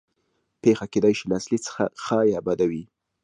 پېښه کېدای شي له اصلي څخه ښه یا بده وي